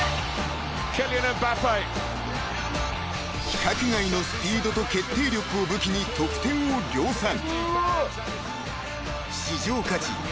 ［規格外のスピードと決定力を武器に得点を量産］